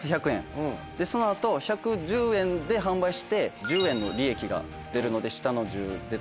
でその後１１０円で販売して１０円の利益が出るので下の１０出たのと。